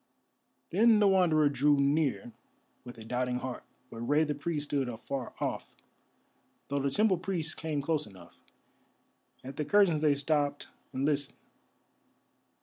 Then the Wanderer drew near with a doubting heart, but Rei the Priest stood afar off, though the temple priests came close enough. At the curtains they stopped and listened.